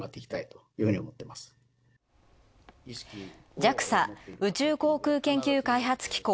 ＪＡＸＡ＝宇宙航空研究開発機構